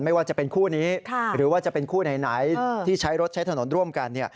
ไม่ว่าจะเป็นคู่นี้หรือว่าจะเป็นคู่ไหนที่ใช้รถใช้ถนนร่วมกัน